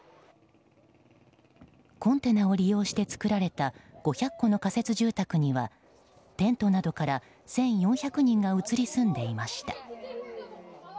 コンテナを利用して作られた５００戸の仮設住宅にはテントなどから１４００人が移り住んでいました。